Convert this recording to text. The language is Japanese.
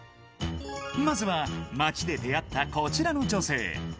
まずは街で出会ったこちらの女性。